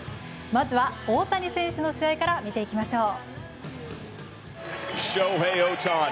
まずは、大谷選手の試合から見ていきましょう。